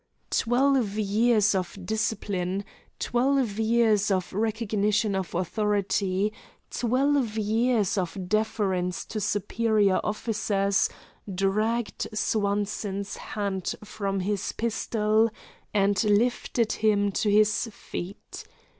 Twelve years of discipline, twelve years of recognition of authority, twelve years of deference to superior officers, dragged Swanson's hand from his pistol and lifted him to his feet.